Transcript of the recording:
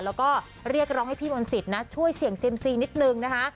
แล้วก็เรียกร้องให้พี่มนต์สิทธิ์นะช่วยเสี่ยงเซียมซีนิดนึงนะคะ